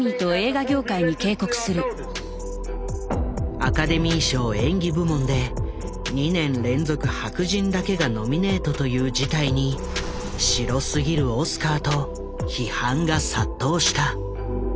アカデミー賞演技部門で２年連続白人だけがノミネートという事態に「白すぎるオスカー」と批判が殺到した。